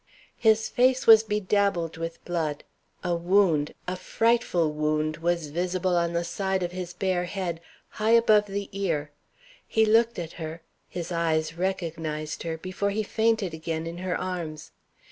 His face was bedabbled with blood. A wound, a frightful wound, was visible on the side of his bare head, high above the ear. He looked at her, his eyes recognized her, before he fainted again in her arms.